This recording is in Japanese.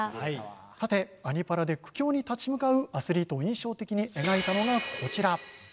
さて、「アニ×パラ」で苦境に立ち向かうアスリートを印象的に描いたのが、こちら。